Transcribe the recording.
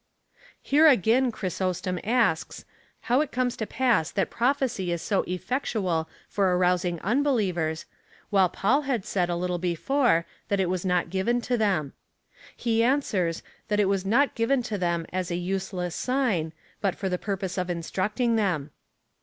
Here again Chrysostom asks, how it comes to pass that prophecy is so eiFectual for arousing unbelievers, while Paul had said a little before that it was not given to them. He answers, that it was not given to them as a useless sign, but for the purpose of instructing them.